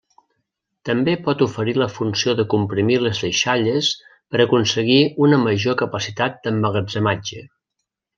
També pot oferir la funció de comprimir les deixalles per aconseguir una major capacitat d'emmagatzematge.